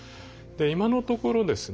今のところですね